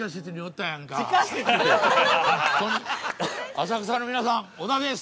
浅草の皆さん、小田です。